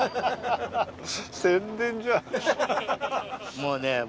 もうね僕。